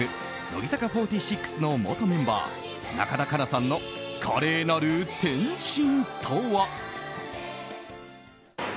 乃木坂４６の元メンバー中田花奈さんの華麗なる転身。